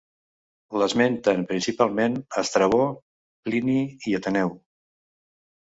L'esmenten principalment Estrabó, Plini i Ateneu.